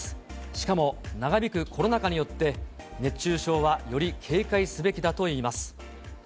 しかも長引くコロナ禍によって、熱中症はより警戒すべきだといいます。